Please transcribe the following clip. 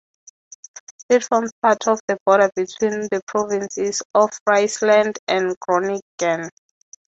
It forms part of the border between the provinces of Friesland and Groningen.